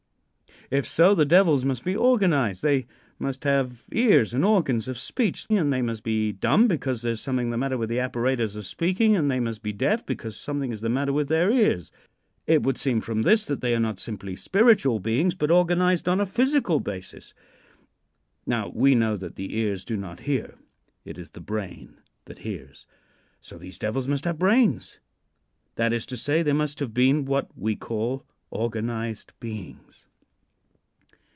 If so, the devils must be organized. They must have ears and organs of speech, and they must be dumb because there is something the matter with the apparatus of speaking, and they must be deaf because something is the matter with their ears. It would seem from this that they are not simply spiritual beings, but organized on a physical basis. Now, we know that the ears do not hear. It is the brain that hears. So these devils must have brains; that is to say, they must have been what we call "organized beings."